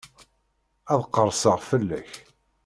Ad qerseɣ fell-ak.